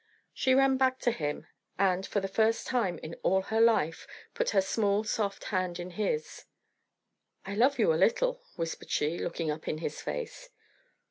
She ran back to him, and, for the first time in all her life, put her small soft hand in his. "I love you a little," whispered she, looking up in his face.